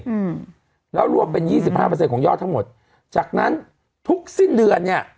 อืมแล้วรวมเป็นยี่สิบห้าเปอร์เซ็นของยอดทั้งหมดจากนั้นทุกสิ้นเดือนเนี้ย